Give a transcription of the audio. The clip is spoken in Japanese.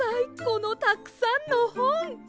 このたくさんのほん！